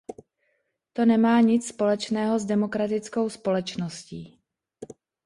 To nemá nic společného s demokratickou společností.